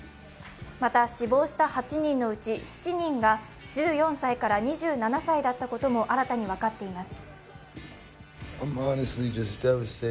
また、死亡した８人のうち７人が１４歳から２７歳だったことも新たに分かっています。